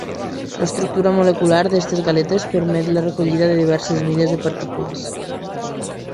L'estructura molecular d'aquestes galetes permet la recollida de diverses mides de partícules.